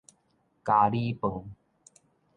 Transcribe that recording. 咖哩飯